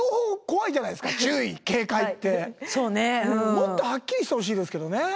もっとはっきりしてほしいですけどね。